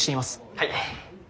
はい。